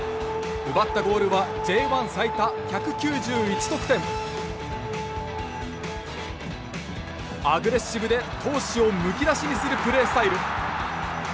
奪ったゴールはアグレッシブで闘志をむき出しにするプレースタイル。